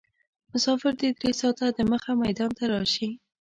مسافر دې درې ساعته دمخه میدان ته راشي.